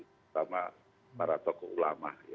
terutama para tokoh ulama